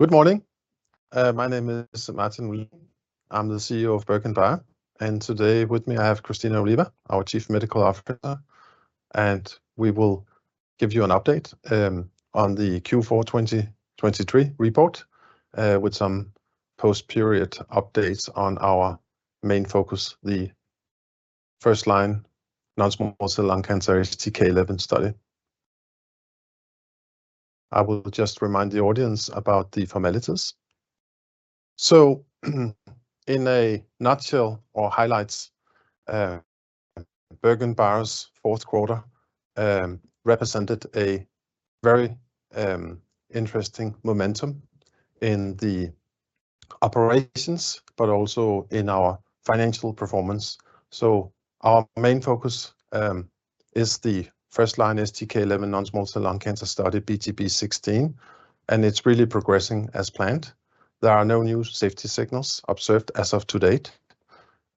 Good morning. My name is Martin Olin. I'm the CEO of BerGenBio, and today with me I have Cristina Oliva, our Chief Medical Officer. We will give you an update on the Q4 2023 report, with some post-period updates on our main focus, the first-line non-small cell lung cancer STK11 study. I will just remind the audience about the formalities. In a nutshell or highlights, BerGenBio's fourth quarter represented a very interesting momentum in the operations but also in our financial performance. Our main focus is the first-line STK11 non-small cell lung cancer study, BGBC016, and it's really progressing as planned. There are no new safety signals observed as of today.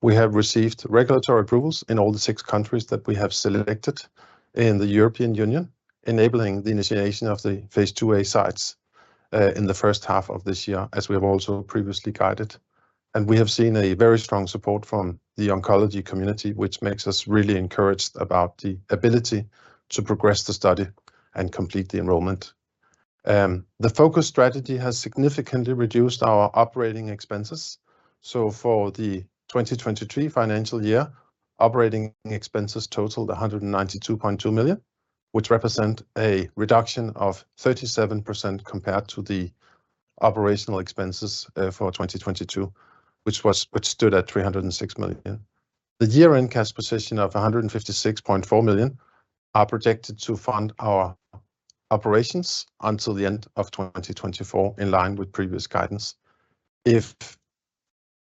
We have received regulatory approvals in all six countries that we have selected in the European Union, enabling the initiation of the phase II-A sites, in the first half of this year, as we have also previously guided. We have seen a very strong support from the oncology community, which makes us really encouraged about the ability to progress the study and complete the enrollment. The focus strategy has significantly reduced our operating expenses. For the 2023 financial year, operating expenses totaled 192.2 million, which represent a reduction of 37% compared to the operational expenses, for 2022, which stood at 306 million. The year-end cash position of 156.4 million are projected to fund our operations until the end of 2024, in line with previous guidance. If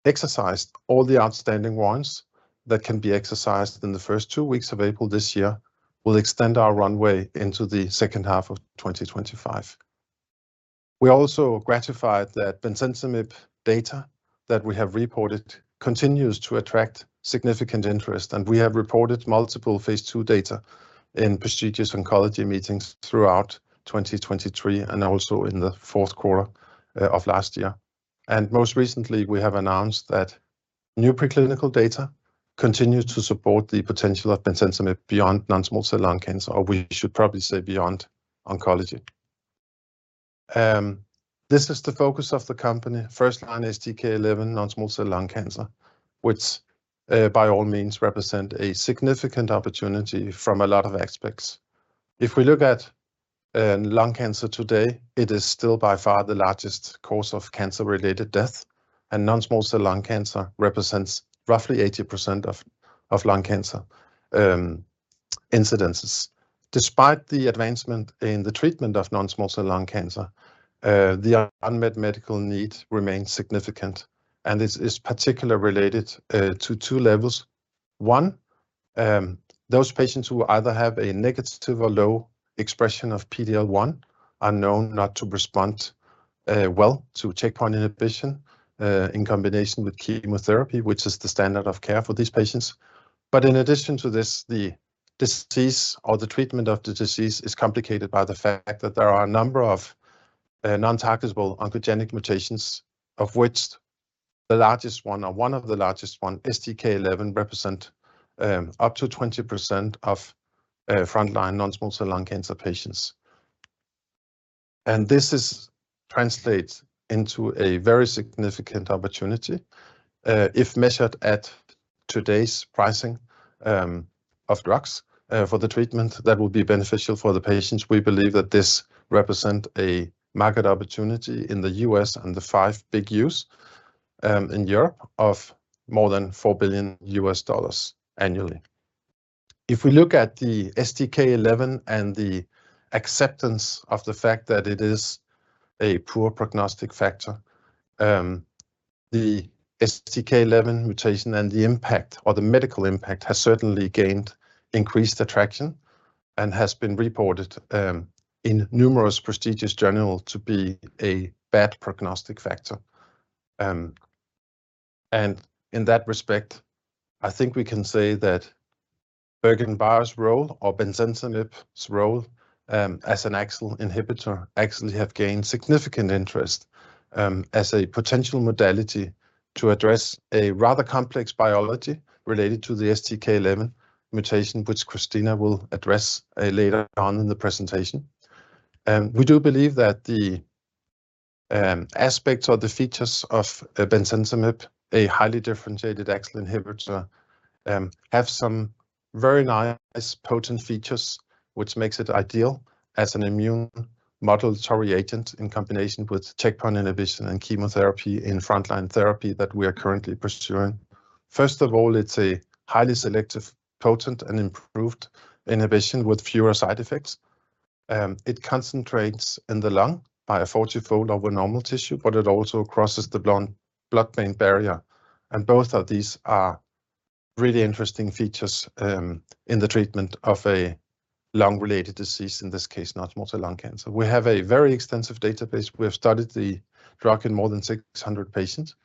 exercised all the outstanding warrants that can be exercised in the first two weeks of April this year, we'll extend our runway into the second half of 2025. We're also gratified that bemcentinib data that we have reported continues to attract significant interest, and we have reported multiple phase II data in prestigious oncology meetings throughout 2023 and also in the fourth quarter of last year. Most recently we have announced that new preclinical data continues to support the potential of bemcentinib beyond non-small cell lung cancer, or we should probably say beyond oncology. This is the focus of the company: first-line STK11 non-small cell lung cancer, which, by all means represents a significant opportunity from a lot of aspects. If we look at lung cancer today, it is still by far the largest cause of cancer-related death, and non-small cell lung cancer represents roughly 80% of lung cancer incidences. Despite the advancement in the treatment of non-small cell lung cancer, the unmet medical need remains significant, and it is particularly related to two levels. One, those patients who either have a negative or low expression of PD-L1 are known not to respond well to checkpoint inhibition in combination with chemotherapy, which is the standard of care for these patients. But in addition to this, the disease or the treatment of the disease is complicated by the fact that there are a number of non-targetable oncogenic mutations, of which the largest one, or one of the largest one, STK11 represents up to 20% of front-line non-small cell lung cancer patients. This translates into a very significant opportunity, if measured at today's pricing, of drugs, for the treatment that will be beneficial for the patients. We believe that this represents a market opportunity in the US and the EU5 in Europe of more than $4 billion annually. If we look at the STK11 and the acceptance of the fact that it is a poor prognostic factor, the STK11 mutation and the impact, or the medical impact, has certainly gained increased attraction and has been reported, in numerous prestigious journals to be a bad prognostic factor. And in that respect, I think we can say that BerGenBio's role, or bemcentinib's role, as an AXL inhibitor, actually has gained significant interest, as a potential modality to address a rather complex biology related to the STK11 mutation, which Cristina will address, later on in the presentation. We do believe that the aspects or the features of bemcentinib, a highly differentiated AXL inhibitor, have some very nice potent features, which makes it ideal as an immunomodulatory agent in combination with checkpoint inhibition and chemotherapy in front-line therapy that we are currently pursuing. First of all, it's a highly selective, potent, and improved inhibition with fewer side effects. It concentrates in the lung by a 40-fold over normal tissue, but it also crosses the blood-brain barrier. Both of these are really interesting features in the treatment of a lung-related disease, in this case non-small cell lung cancer. We have a very extensive database. We have studied the drug in more than 600 patients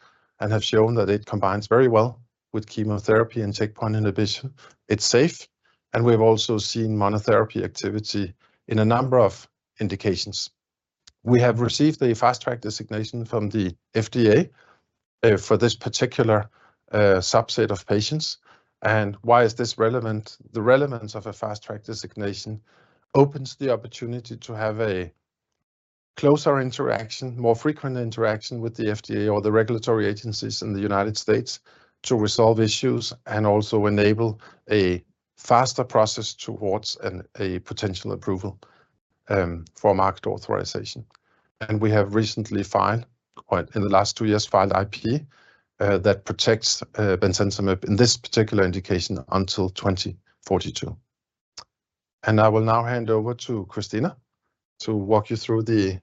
and have shown that it combines very well with chemotherapy and checkpoint inhibition. It's safe, and we have also seen monotherapy activity in a number of indications. We have received a Fast Track designation from the FDA for this particular subset of patients. Why is this relevant? The relevance of a Fast Track designation opens the opportunity to have a closer interaction, more frequent interaction, with the FDA or the regulatory agencies in the United States to resolve issues and also enable a faster process towards a potential approval for market authorization. We have recently filed, or in the last 2 years, filed IP that protects bemcentinib in this particular indication until 2042. I will now hand over to Cristina to walk you through the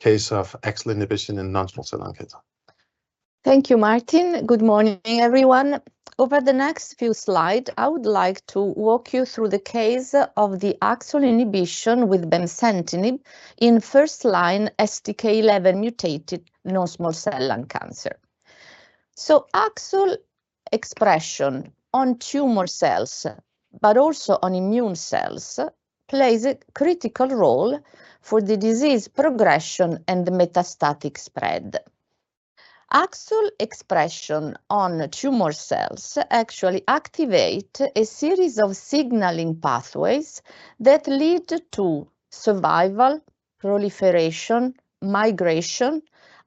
case of AXL inhibition in non-small cell lung cancer. Thank you, Martin. Good morning, everyone. Over the next few slides, I would like to walk you through the case of the AXL inhibition with bemcentinib in first-line STK11 mutated non-small cell lung cancer. AXL expression on tumor cells, but also on immune cells, plays a critical role for the disease progression and metastatic spread. AXL expression on tumor cells actually activates a series of signaling pathways that lead to survival, proliferation, migration,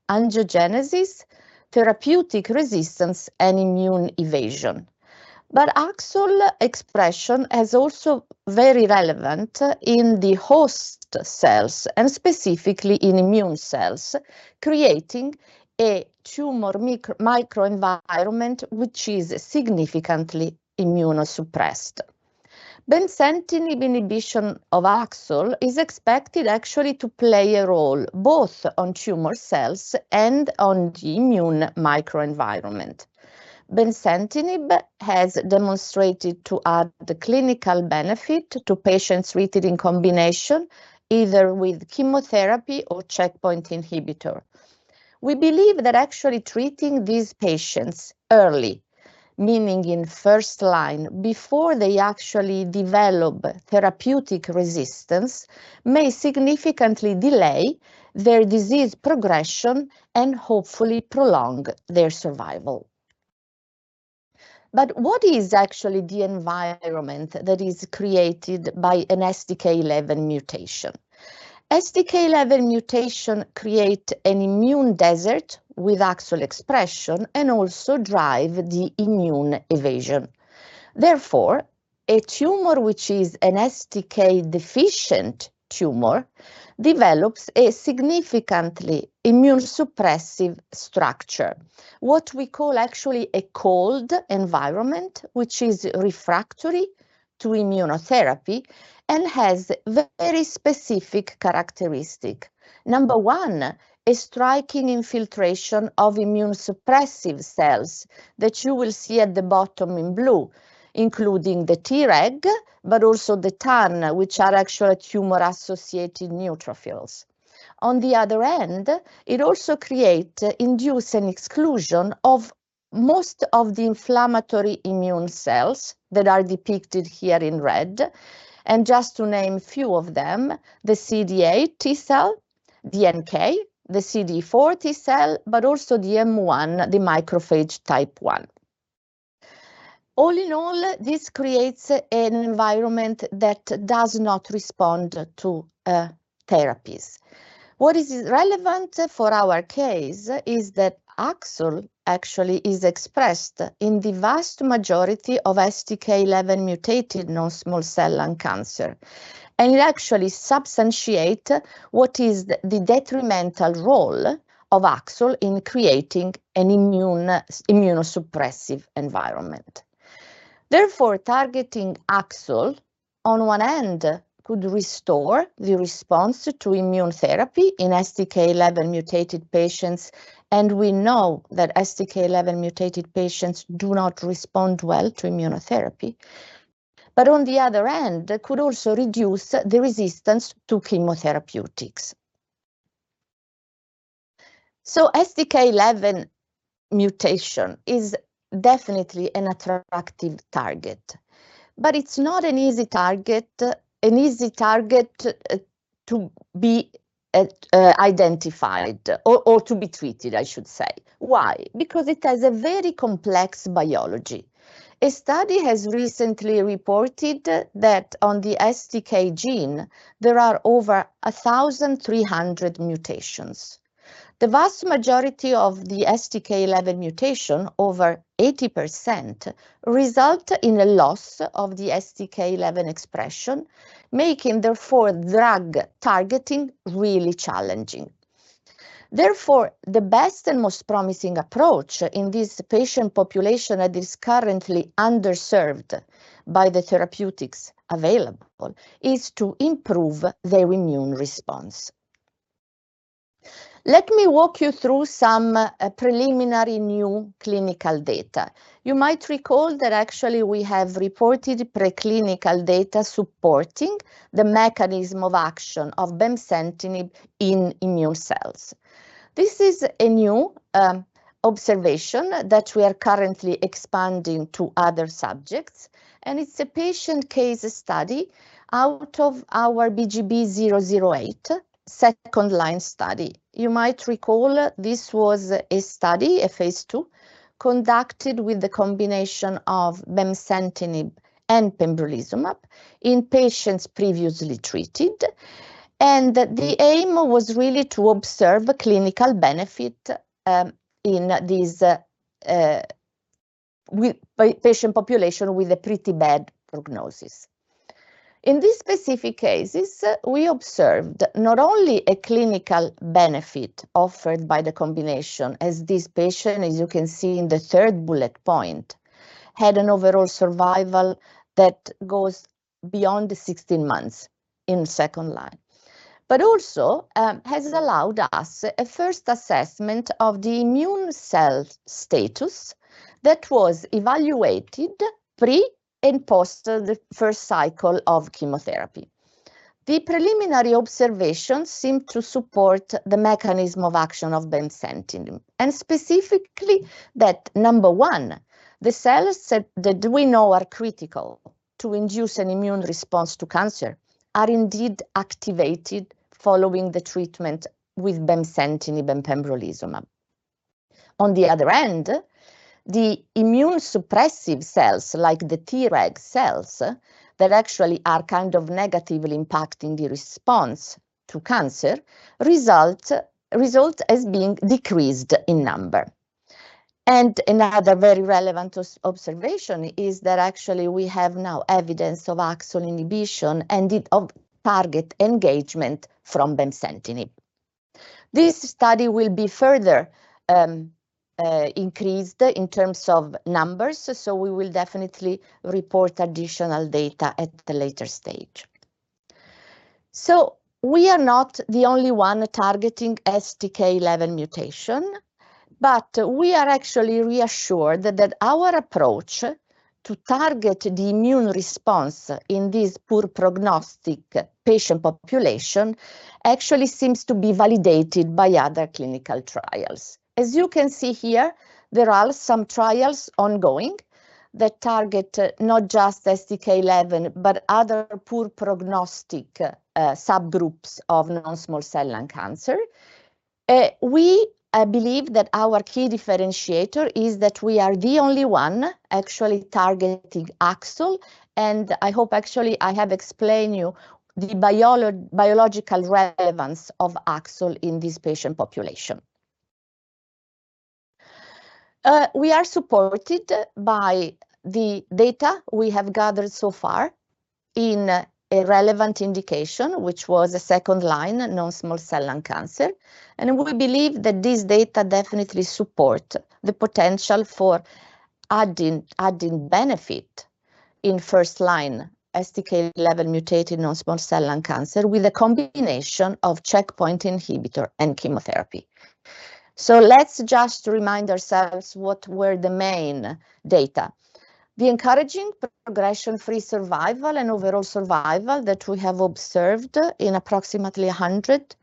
angiogenesis, therapeutic resistance, and immune evasion. But AXL expression is also very relevant in the host cells, and specifically in immune cells, creating a tumor microenvironment which is significantly immunosuppressed. Bemcentinib inhibition of AXL is expected actually to play a role both on tumor cells and on the immune microenvironment. Bemcentinib has demonstrated to add clinical benefit to patients treated in combination either with chemotherapy or checkpoint inhibitor. We believe that actually treating these patients early, meaning in first line, before they actually develop therapeutic resistance, may significantly delay their disease progression and hopefully prolong their survival. But what is actually the environment that is created by an STK11 mutation? STK11 mutations create an immune desert with AXL expression and also drive the immune evasion. Therefore, a tumor which is an STK11-deficient tumor develops a significantly immunosuppressive structure, what we call actually a cold environment which is refractory to immunotherapy and has very specific characteristics. Number one, a striking infiltration of immunosuppressive cells that you will see at the bottom in blue, including the Treg but also the TAN, which are actually tumor-associated neutrophils. On the other end, it also creates and induces an exclusion of most of the inflammatory immune cells that are depicted here in red, and just to name a few of them: the CD8 T cell, the NK, the CD4 T cell, but also the M1, the macrophage type 1. All in all, this creates an environment that does not respond to therapies. What is relevant for our case is that AXL actually is expressed in the vast majority of STK11 mutated non-small cell lung cancer, and it actually substantiates what is the detrimental role of AXL in creating an immunosuppressive environment. Therefore, targeting AXL, on one end, could restore the response to immune therapy in STK11 mutated patients, and we know that STK11 mutated patients do not respond well to immunotherapy, but on the other end could also reduce the resistance to chemotherapeutics. So STK11 mutation is definitely an attractive target, but it's not an easy target to be identified or to be treated, I should say. Why? Because it has a very complex biology. A study has recently reported that on the STK11 gene there are over 1,300 mutations. The vast majority of the STK11 mutation, over 80%, result in a loss of the STK11 expression, making therefore drug targeting really challenging. Therefore, the best and most promising approach in this patient population that is currently underserved by the therapeutics available is to improve their immune response. Let me walk you through some preliminary new clinical data. You might recall that actually we have reported preclinical data supporting the mechanism of action of bemcentinib in immune cells. This is a new observation that we are currently expanding to other subjects, and it's a patient case study out of our BGBC008 second-line study. You might recall this was a study, a phase II, conducted with the combination of bemcentinib and pembrolizumab in patients previously treated, and the aim was really to observe clinical benefit in this patient population with a pretty bad prognosis. In these specific cases, we observed not only a clinical benefit offered by the combination, as this patient, as you can see in the third bullet point, had an overall survival that goes beyond 16 months in second line, but also has allowed us a first assessment of the immune cell status that was evaluated pre and post the first cycle of chemotherapy. The preliminary observations seem to support the mechanism of action of bemcentinib, and specifically that, number one, the cells that we know are critical to induce an immune response to cancer are indeed activated following the treatment with bemcentinib and pembrolizumab. On the other end, the immunosuppressive cells, like the Treg cells that actually are kind of negatively impacting the response to cancer, result as being decreased in number. And another very relevant observation is that actually we have now evidence of AXL inhibition and of target engagement from bemcentinib. This study will be further increased in terms of numbers, so we will definitely report additional data at a later stage. So we are not the only one targeting STK11 mutation, but we are actually reassured that our approach to target the immune response in this poor prognostic patient population actually seems to be validated by other clinical trials. As you can see here, there are some trials ongoing that target not just STK11 but other poor prognostic subgroups of non-small cell lung cancer. We believe that our key differentiator is that we are the only one actually targeting AXL, and I hope actually I have explained to you the biological relevance of AXL in this patient population. We are supported by the data we have gathered so far in a relevant indication, which was a second-line non-small cell lung cancer, and we believe that these data definitely support the potential for adding benefit in first-line STK11 mutated non-small cell lung cancer with a combination of checkpoint inhibitor and chemotherapy. So let's just remind ourselves what were the main data: the encouraging progression-free survival and overall survival that we have observed in approximately 100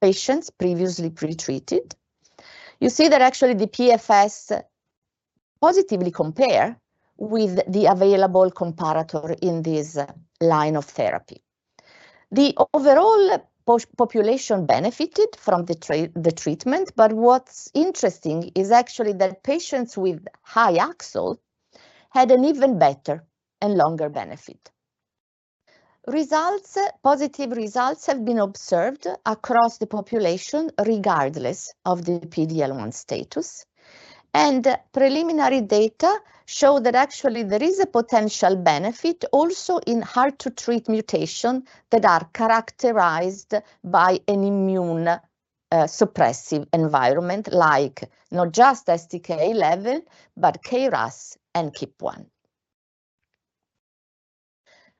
patients previously pretreated. You see that actually the PFS positively compares with the available comparator in this line of therapy. The overall population benefited from the treatment, but what's interesting is actually that patients with high AXL had an even better and longer benefit. Results: positive results have been observed across the population regardless of the PD-L1 status, and preliminary data show that actually there is a potential benefit also in hard-to-treat mutations that are characterized by an immunosuppressive environment, like not just STK11 but KRAS and KEAP1.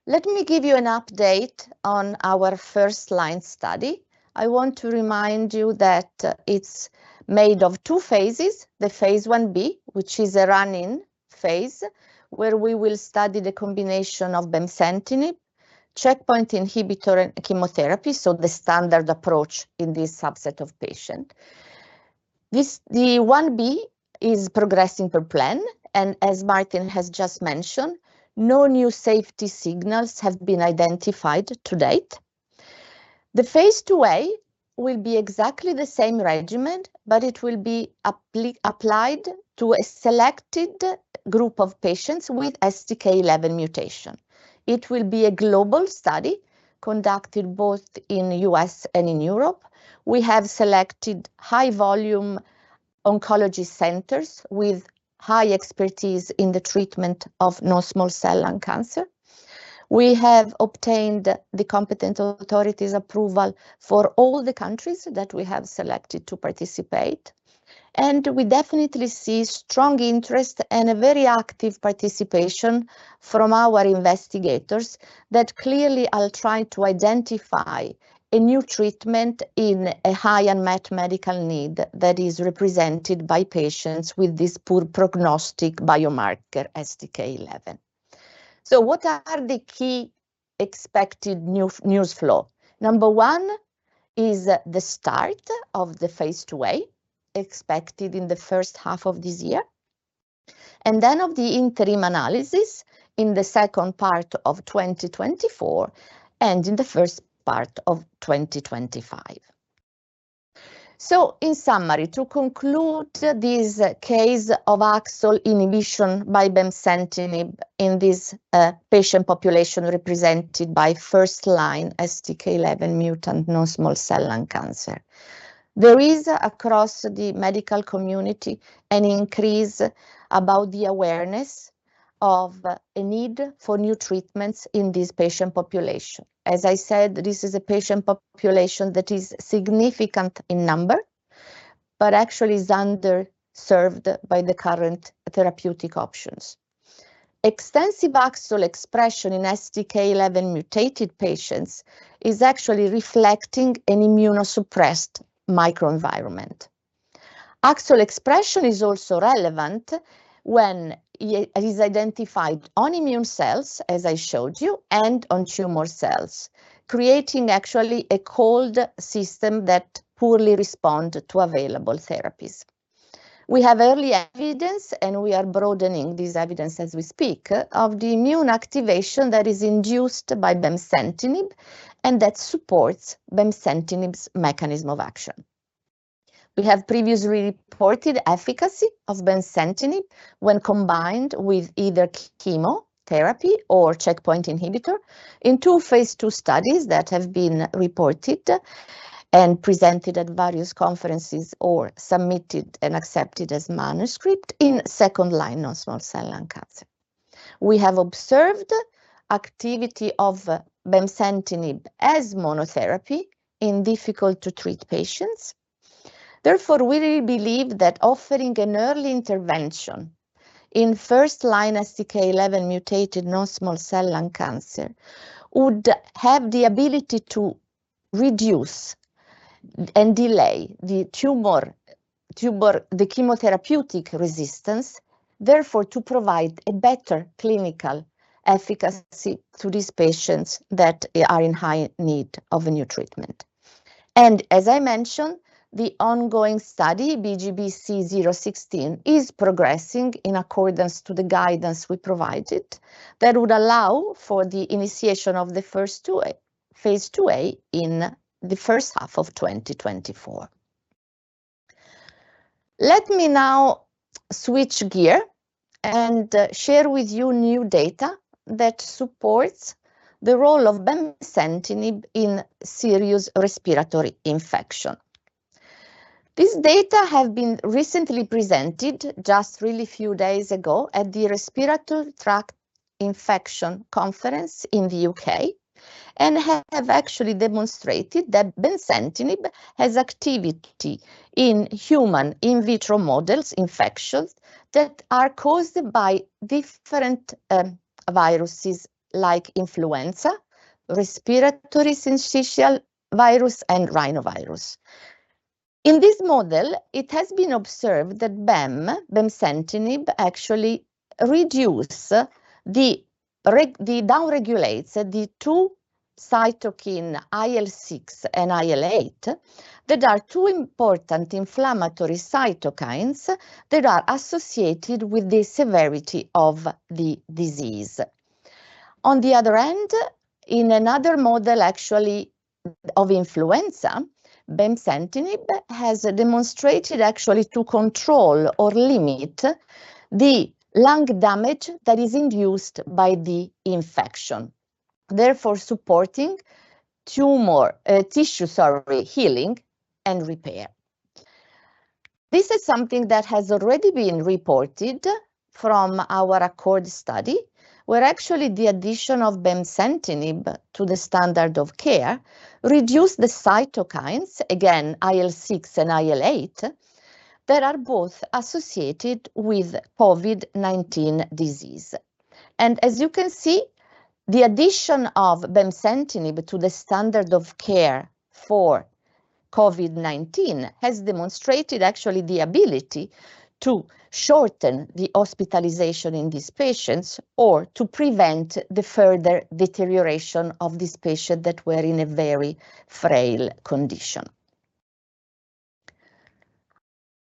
Let me give you an update on our first-line study. I want to remind you that it's made of two phases: the phase I-B, which is a run-in phase where we will study the combination of bemcentinib, checkpoint inhibitor, and chemotherapy, so the standard approach in this subset of patients. The I-B is progressing per plan, and as Martin has just mentioned, no new safety signals have been identified to date. The phase II-A will be exactly the same regimen, but it will be applied to a selected group of patients with STK11 mutation. It will be a global study conducted both in the U.S. and in Europe. We have selected high-volume oncology centers with high expertise in the treatment of non-small cell lung cancer. We have obtained the competent authorities' approval for all the countries that we have selected to participate, and we definitely see strong interest and a very active participation from our investigators that clearly will try to identify a new treatment in a high unmet medical need that is represented by patients with this poor prognostic biomarker STK11. So what are the key expected newsflows? Number one is the start of the phase II-A, expected in the first half of this year, and then of the interim analysis in the second part of 2024 and in the first part of 2025. So in summary, to conclude this case of AXL inhibition by bemcentinib in this patient population represented by first-line STK11 mutant non-small cell lung cancer, there is across the medical community an increase about the awareness of a need for new treatments in this patient population. As I said, this is a patient population that is significant in number but actually is underserved by the current therapeutic options. Extensive AXL expression in STK11 mutated patients is actually reflecting an immunosuppressed microenvironment. AXL expression is also relevant when it is identified on immune cells, as I showed you, and on tumor cells, creating actually a cold system that poorly responds to available therapies. We have early evidence, and we are broadening this evidence as we speak, of the immune activation that is induced by bemcentinib and that supports bemcentinib's mechanism of action. We have previously reported efficacy of bemcentinib when combined with either chemotherapy or checkpoint inhibitor in two phase II studies that have been reported and presented at various conferences or submitted and accepted as manuscript in second-line non-small cell lung cancer. We have observed activity of bemcentinib as monotherapy in difficult-to-treat patients. Therefore, we really believe that offering an early intervention in first-line STK11 mutated non-small cell lung cancer would have the ability to reduce and delay the tumor chemotherapeutic resistance, therefore to provide a better clinical efficacy to these patients that are in high need of a new treatment. As I mentioned, the ongoing study, BGBC016, is progressing in accordance with the guidance we provided that would allow for the initiation of the first two phase II-A in the first half of 2024. Let me now switch gears and share with you new data that supports the role of bemcentinib in serious respiratory infection. These data have been recently presented, just really a few days ago, at the Respiratory Tract Infection Conference in the U.K. and have actually demonstrated that bemcentinib has activity in human in vitro models of infections that are caused by different viruses like influenza, respiratory syncytial virus, and rhinovirus. In this model, it has been observed that bemcentinib actually reduces and downregulates the two cytokines IL-6 and IL-8, that are two important inflammatory cytokines that are associated with the severity of the disease. On the other end, in another model actually of influenza, bemcentinib has demonstrated actually to control or limit the lung damage that is induced by the infection, therefore supporting tumor tissue, sorry, healing and repair. This is something that has already been reported from our ACCORD study, where actually the addition of bemcentinib to the standard of care reduced the cytokines, again IL-6 and IL-8, that are both associated with COVID-19 disease. And as you can see, the addition of bemcentinib to the standard of care for COVID-19 has demonstrated actually the ability to shorten the hospitalization in these patients or to prevent the further deterioration of these patients that were in a very frail condition.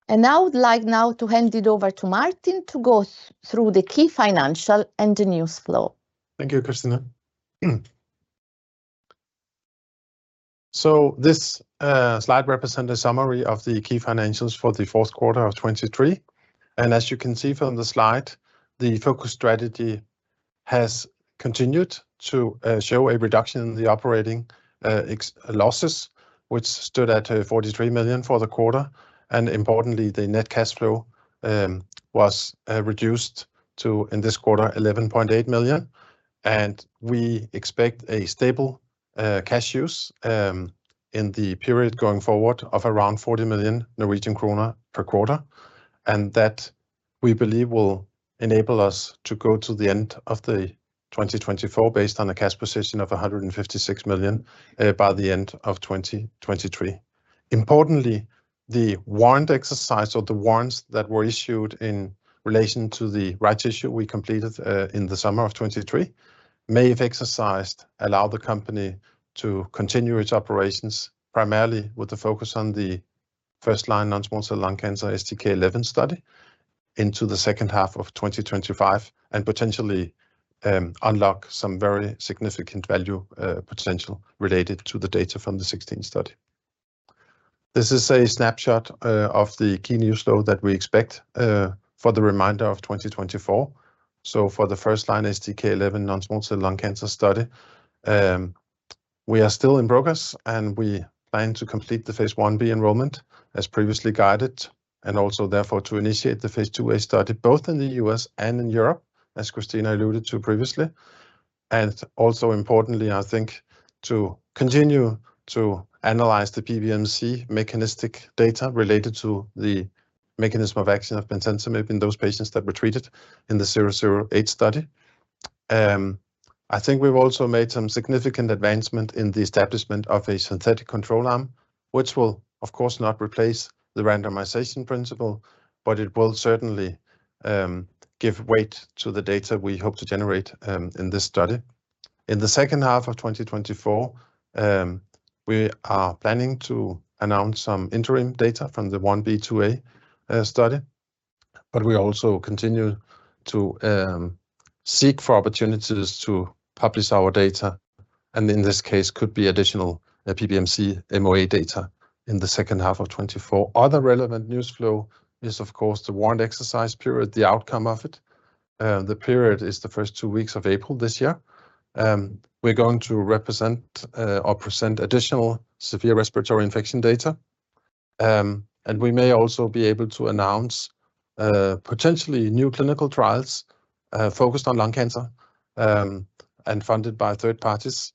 And I would like now to hand it over to Martin to go through the key financials and the newsflow. Thank you, Cristina. This slide represents a summary of the key financials for the fourth quarter of 2023, and as you can see from the slide, the focus strategy has continued to show a reduction in the operating losses, which stood at 43 million for the quarter, and importantly, the net cash flow was reduced to NOK 11.8 million in this quarter. We expect a stable cash use in the period going forward of around 40 million Norwegian kroner per quarter, and that we believe will enable us to go to the end of 2024 based on a cash position of 156 million by the end of 2023. Importantly, the warrant exercise or the warrants that were issued in relation to the rights issue we completed in the summer of 2023 may have exercised allow the company to continue its operations, primarily with the focus on the first-line Non-Small Cell Lung Cancer STK11 study, into the second half of 2025 and potentially unlock some very significant value potential related to the data from the 2016 study. This is a snapshot of the key newsflow that we expect for the remainder of 2024. So for the first-line STK11 Non-Small Cell Lung Cancer study, we are still in progress, and we plan to complete the phase I-B enrollment as previously guided, and also therefore to initiate the phase II-A study both in the U.S. and in Europe, as Cristina alluded to previously, and also importantly, I think, to continue to analyze the PBMC mechanistic data related to the mechanism of action of bemcentinib in those patients that were treated in the 008 study. I think we've also made some significant advancement in the establishment of a synthetic control arm, which will, of course, not replace the randomization principle, but it will certainly, give weight to the data we hope to generate, in this study. In the second half of 2024, we are planning to announce some interim data from the I-B/II-A study, but we also continue to seek for opportunities to publish our data, and in this case could be additional PBMC MOA data in the second half of 2024. Other relevant newsflow is, of course, the warrant exercise period, the outcome of it. The period is the first two weeks of April this year. We're going to represent, or present additional severe respiratory infection data, and we may also be able to announce potentially new clinical trials focused on lung cancer, and funded by third parties.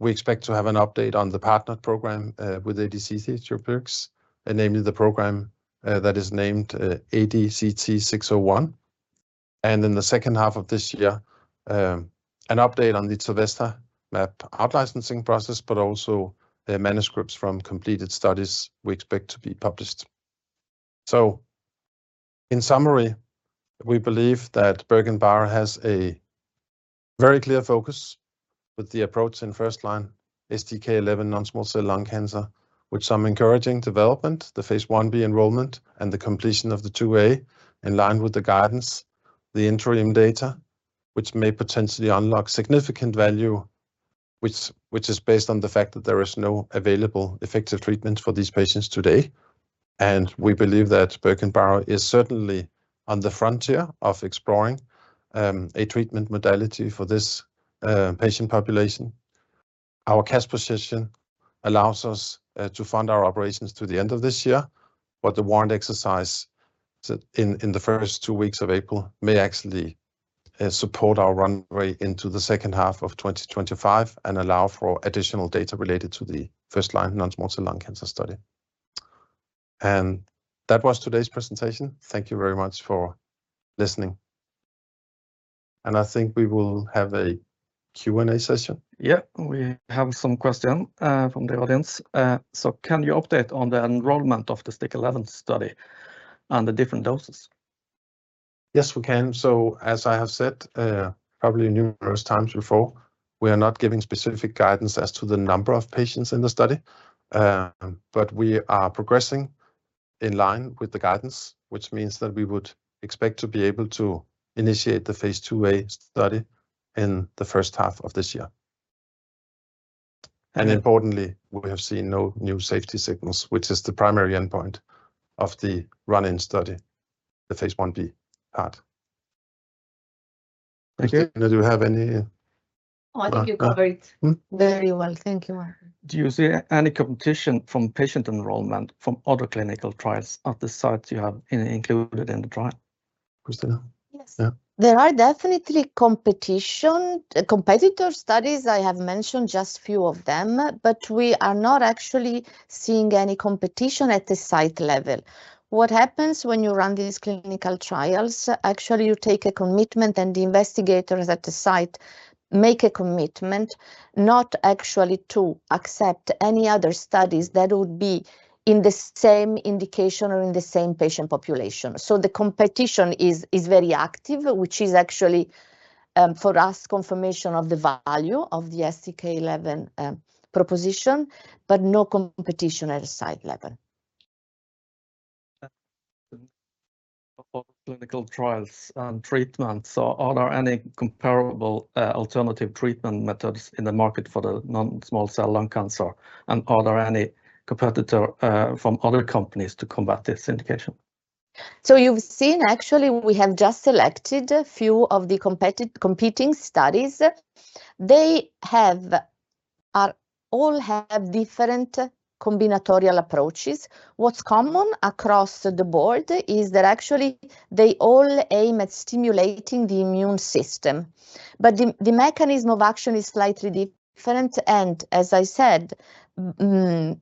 We expect to have an update on the partnered program, with ADC Therapeutics, namely the program that is named ADCT-601, and in the second half of this year, an update on the tilvestamab outlicensing process, but also, manuscripts from completed studies we expect to be published. So in summary, we believe that BerGenBio has a very clear focus with the approach in first-line STK11 non-small cell lung cancer, with some encouraging development, the phase I-B enrollment, and the completion of the phase II-A in line with the guidance, the interim data, which may potentially unlock significant value, which is based on the fact that there is no available effective treatment for these patients today. We believe that BerGenBio is certainly on the frontier of exploring a treatment modality for this patient population. Our cash position allows us to fund our operations to the end of this year, but the warrant exercise in the first two weeks of April may actually support our runway into the second half of 2025 and allow for additional data related to the first-line non-small cell lung cancer study. That was today's presentation. Thank you very much for listening, and I think we will have a Q&A session. Yeah, we have some questions from the audience. So, can you update on the enrollment of the STK11 study and the different doses? Yes, we can. So as I have said, probably numerous times before, we are not giving specific guidance as to the number of patients in the study, but we are progressing in line with the guidance, which means that we would expect to be able to initiate the phase II-A study in the first half of this year. And importantly, we have seen no new safety signals, which is the primary endpoint of the run-in study, the phase I-B part. Thank you. Cristina, do you have any? Oh, I think you covered it very well. Thank you. Do you see any competition from patient enrollment from other clinical trials at the sites you have included in the trial? Cristina? Yes. There are definitely competitor studies. I have mentioned just a few of them, but we are not actually seeing any competition at the site level. What happens when you run these clinical trials? Actually, you take a commitment, and the investigators at the site make a commitment not actually to accept any other studies that would be in the same indication or in the same patient population. So the competition is very active, which is actually, for us, confirmation of the value of the STK11 proposition, but no competition at a site level. Of clinical trials and treatment, so are there any comparable, alternative treatment methods in the market for the non-small cell lung cancer, and are there any competitors, from other companies to combat this indication? So you've seen, actually, we have just selected a few of the competing studies. They have all different combinatorial approaches. What's common across the board is that actually they all aim at stimulating the immune system, but the mechanism of action is slightly different, and as I said, bemcentinib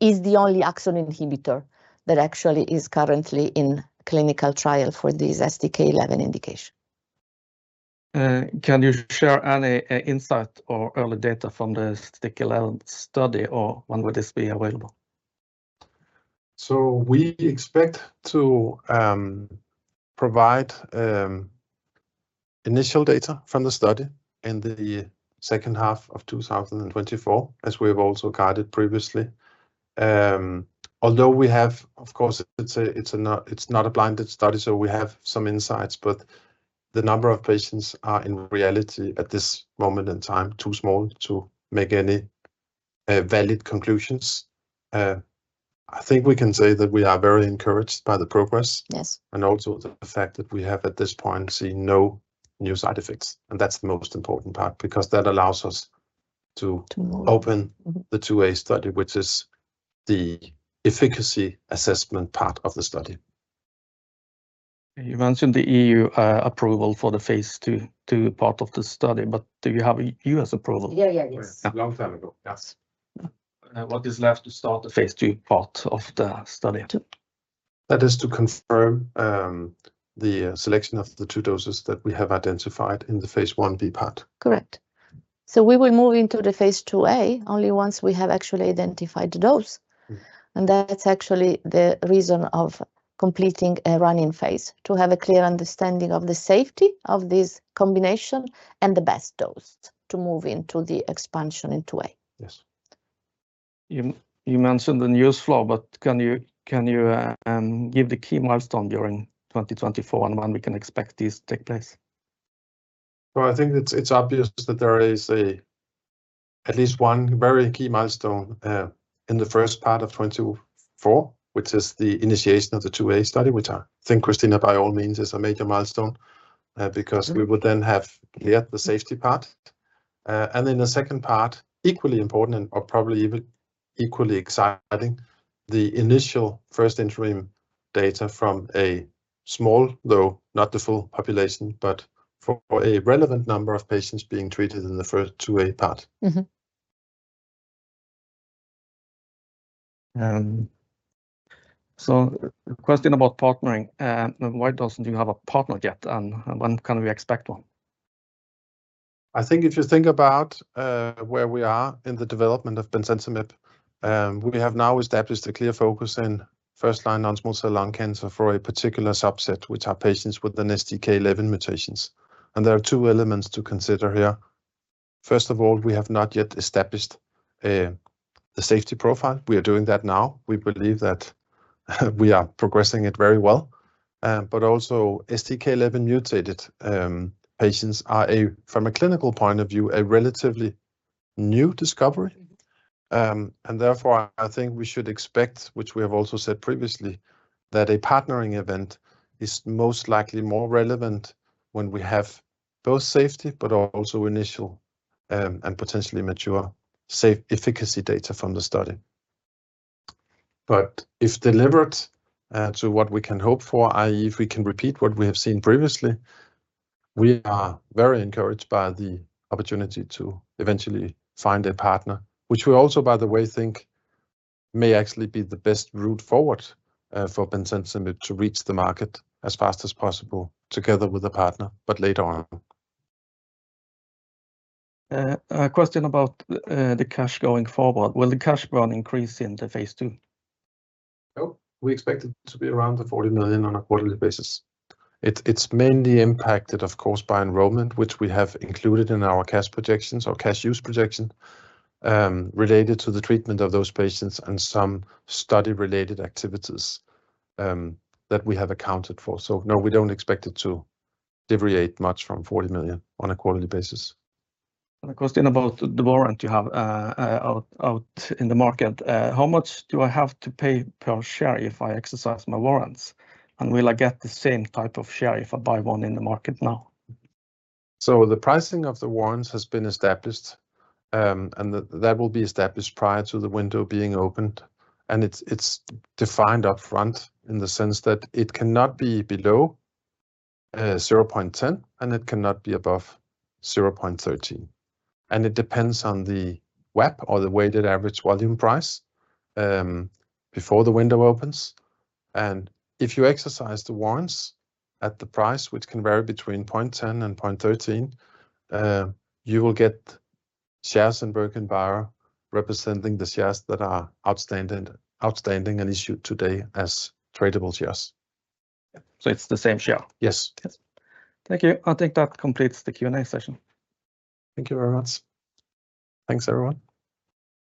is the only AXL inhibitor that actually is currently in clinical trial for this STK11 indication. Can you share any insight or early data from the STK11 study, or when would this be available? So we expect to provide initial data from the study in the second half of 2024, as we have also guided previously. Although we have, of course, it's not a blinded study, so we have some insights, but the number of patients are in reality at this moment in time too small to make any valid conclusions. I think we can say that we are very encouraged by the progress and also the fact that we have at this point seen no new side effects, and that's the most important part because that allows us to open the II-A study, which is the efficacy assessment part of the study. You mentioned the E.U. approval for the phase II part of the study, but do you have a U.S. approval? Yeah, yeah, yes. A long time ago, yes. What is left to start the phase II part of the study? That is to confirm the selection of the two doses that we have identified in the phase I-B part. Correct. So we will move into the phase II-A only once we have actually identified the dose, and that's actually the reason of completing a run-in phase, to have a clear understanding of the safety of this combination and the best dose to move into the expansion in II-A. Yes. You mentioned the newsflow, but can you give the key milestone during 2024 and when we can expect this to take place? So I think it's obvious that there is at least one very key milestone in the first part of 2024, which is the initiation of the II-A study, which I think, Cristina, by all means, is a major milestone because we would then have cleared the safety part. And in the second part, equally important and probably even equally exciting, the initial first interim data from a small, though not the full population, but for a relevant number of patients being treated in the first II-A part. So the question about partnering: why doesn't you have a partner yet, and when can we expect one? I think if you think about where we are in the development of bemcentinib, we have now established a clear focus in first-line non-small cell lung cancer for a particular subset, which are patients with an STK11 mutation. And there are two elements to consider here. First of all, we have not yet established the safety profile. We are doing that now. We believe that we are progressing it very well. But also, STK11 mutated patients are, from a clinical point of view, a relatively new discovery, and therefore I think we should expect, which we have also said previously, that a partnering event is most likely more relevant when we have both safety but also initial and potentially mature safe efficacy data from the study. But if delivered to what we can hope for, i.e., if we can repeat what we have seen previously, we are very encouraged by the opportunity to eventually find a partner, which we also, by the way, think may actually be the best route forward for bemcentinib to reach the market as fast as possible together with a partner, but later on. A question about the cash going forward: will the cash burn increase in the phase II? No, we expect it to be around 40 million on a quarterly basis. It's mainly impacted, of course, by enrollment, which we have included in our cash projections or cash use projection related to the treatment of those patients and some study-related activities that we have accounted for. So no, we don't expect it to deviate much from 40 million on a quarterly basis. And a question about the warrant you have out in the market: how much do I have to pay per share if I exercise my warrants, and will I get the same type of share if I buy one in the market now? So the pricing of the warrants has been established, and that will be established prior to the window being opened. And it's defined upfront in the sense that it cannot be below 0.10, and it cannot be above 0.13. And it depends on the VWAP or the weighted average volume price before the window opens. If you exercise the warrants at the price, which can vary between 0.10-0.13, you will get shares in BerGenBio representing the shares that are outstanding and issued today as tradable shares. So it's the same share? Yes. Thank you. I think that completes the Q&A session. Thank you very much. Thanks, everyone.